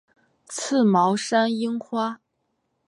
刺毛山樱花